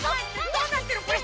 どうなってんのこれ？